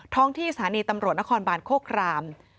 ท้องที่สถานีตำรวจนครบาลโครกราม